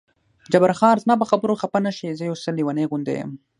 جبار خان: زما په خبرو خفه نه شې، زه یو څه لېونی غوندې یم.